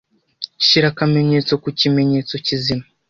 shyira akamenyetso ku kimenyetso kizima